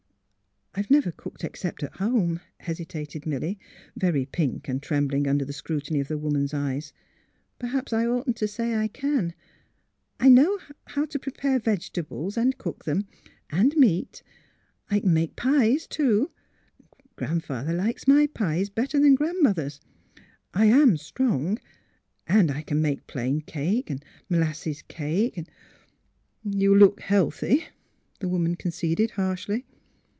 "*' I've never cooked except at home," hesitated Milly, very pink and trembling under the scrutiny of the woman's eyes; " perhaps I oughtn't to say I can. I know how to prepare vegetables, and A LITTLE JOURNEY 115 cook them ; and — and meat. I can make pies, too ;— Gran 'father likes my pies better than Gran' mother 's. I — I am strong, and — I can make plain cake, molasses cake and "*' You look healthy," the woman conceded, harshly.